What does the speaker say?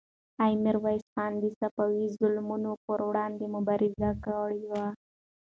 آیا میرویس خان د صفوي ظلمونو پر وړاندې مبارزه کړې وه؟